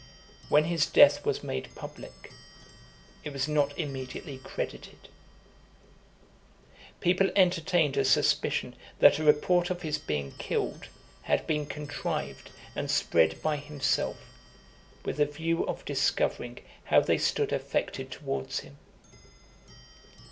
When his death was made public, it was not immediately credited. People entertained a suspicion that a report of his being killed had been contrived and spread by himself, with the view of discovering how they stood affected towards him.